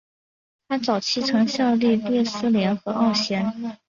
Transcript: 他早期曾效力列斯联和奥咸。